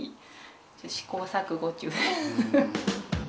試行錯誤中です。